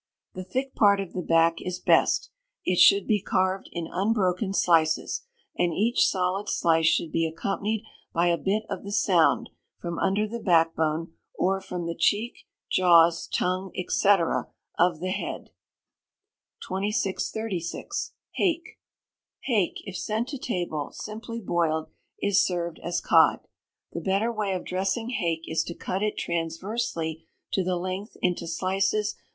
The thick part of the back is best. It should be carved in unbroken slices, and each solid slice should be accompanied by a bit of the sound, from under the back bone, or from the cheek, jaws, tongue, &c., of the head. 2636. Hake. Hake, if sent to table, simply boiled, is served as cod. The better way of dressing hake is to cut it transversely to the length into slices about one inch in thickness.